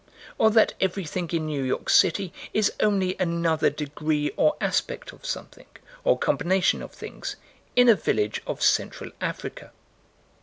Or that everything in New York City is only another degree or aspect of something, or combination of things, in a village of Central Africa.